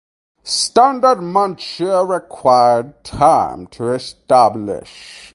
Standard Manchu required time to establish.